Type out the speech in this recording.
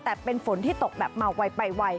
แต่เป็นฝนที่ตกแบบมาไวไปไว